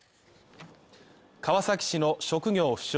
川崎市の職業不詳